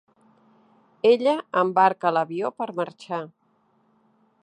Ella embarca a l'avió per marxar.